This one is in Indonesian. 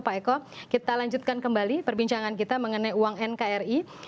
pak eko kita lanjutkan kembali perbincangan kita mengenai uang nkri